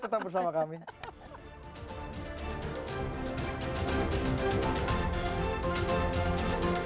terima kasih mbak timmy